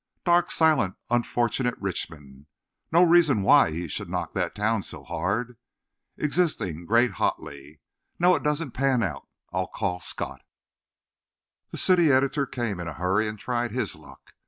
'Dark silent unfortunate richmond'—no reason why he should knock that town so hard. 'Existing great hotly'—no it doesn't pan out. I'll call Scott." The city editor came in a hurry, and tried his luck.